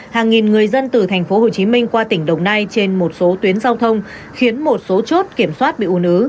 hàng nghìn người dân từ tp hcm qua tỉnh đồng nai trên một số tuyến giao thông khiến một số chốt kiểm soát bị u nứ